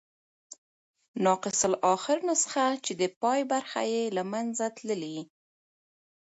ناقص الاخرنسخه، چي د پای برخي ئې له منځه تللي يي.